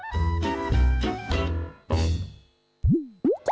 คุณผู้ชม